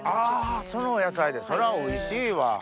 そのお野菜でそりゃおいしいわ。